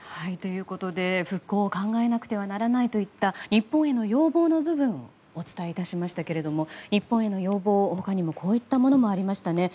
復興を考えないといけないという日本への要望の部分をお伝えしましたけれど日本への要望は他にもこういったものもありました。